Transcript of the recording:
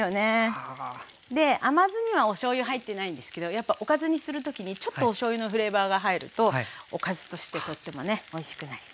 甘酢にはおしょうゆ入ってないんですけどやっぱおかずにする時にちょっとおしょうゆのフレーバーが入るとおかずとしてとってもねおいしくなります。